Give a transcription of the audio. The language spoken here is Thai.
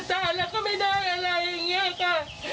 จ่ายแล้วก็ไม่ได้อะไรอย่างนี้ค่ะ